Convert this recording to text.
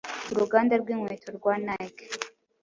uruganda rw’inkweto rwa Nike